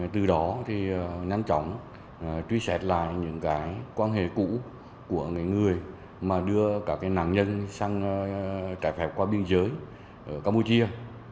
từ đó thì nhanh chóng truy xét lại những cái quan hệ cũ của những người mà đưa các nạn nhân sang trái phép qua biên giới campuchia